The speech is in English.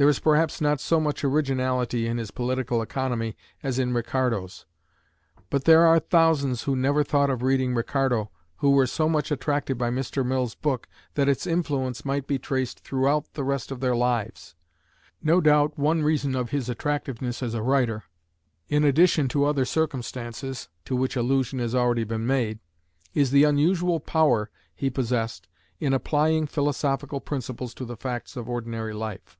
There is perhaps not so much originality in his "Political Economy" as in Ricardo's; but there are thousands who never thought of reading Ricardo who were so much attracted by Mr. Mill's book, that its influence might be traced throughout the rest of their lives. No doubt one reason of his attractiveness as a writer, in addition to other circumstances to which allusion has already been made, is the unusual power he possessed in applying philosophical principles to the facts of ordinary life.